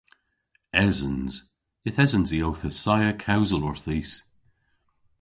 Esens. Yth esens i owth assaya kewsel orthis.